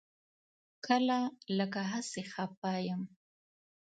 کله لکه هسې خپه یم.